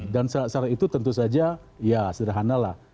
dan syarat syarat itu tentu saja ya sederhanalah